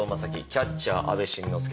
キャッチャー阿部慎之助